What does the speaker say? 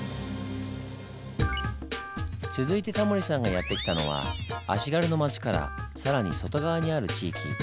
続いてタモリさんがやって来たのは足軽の町から更に外側にある地域。